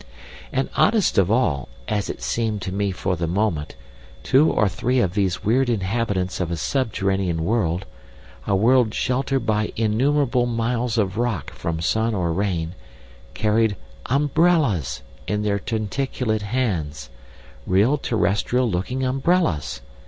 And oddest of all, as it seemed to me for the moment, two or three of these weird inhabitants of a subterranean world, a world sheltered by innumerable miles of rock from sun or rain, carried umbrellas in their tentaculate hands—real terrestrial looking umbrellas!